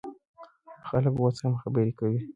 خلک اوس هم خبرې کوي.